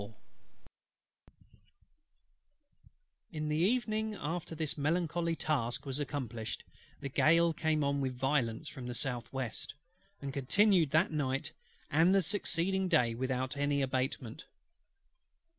In the evening after this melancholy task was accomplished, the gale came on with violence from the south west, and continued that night and the succeeding day without any abatement.